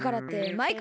マイカ！